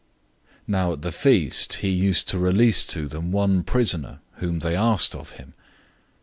015:006 Now at the feast he used to release to them one prisoner, whom they asked of him.